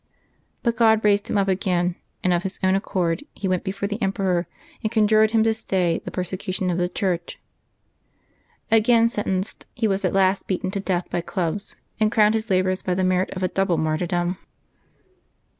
But God raised him up again, and of his own accord he went before the emperor and conjured him to stay the Januaey 21] LIVES OF THE SAINTS 4a persecution of the Church. Again sentenced, he was at last beaten to death by clubs, and crowned his labors by the merit of a double martyrdom.